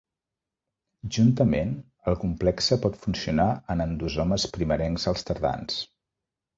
Juntament, el complexe pot funcionar en endosomes primerencs als tardans.